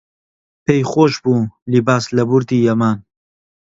پێی خۆش بوو لیباس لە بوردی یەمان